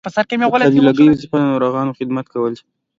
د قابله ګۍ وظیفه د ناروغانو خدمت کول دي.